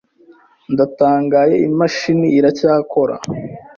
Ndatangaye iyi mashini iracyakora.